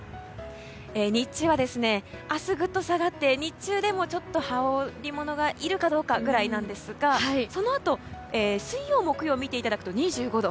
日中は、明日グッと下がって日中でも羽織りものがいるかどうかぐらいですがそのあと水曜、木曜を見ていただくと２５度。